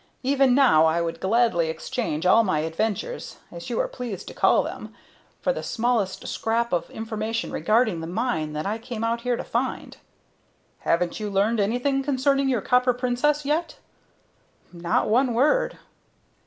Even now I would gladly exchange all my adventures, as you are pleased to call them, for the smallest scrap of information regarding the mine that I came out here to find." "Haven't you learned anything concerning your Copper Princess yet?" "Not one word."